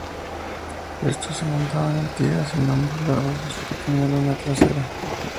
Estos se montaban en tiras en ambos lados de su pequeña luna trasera.